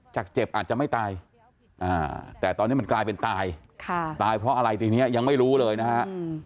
เจ็บอาจจะไม่ตายแต่ตอนนี้มันกลายเป็นตายตายเพราะอะไรทีนี้ยังไม่รู้เลยนะฮะ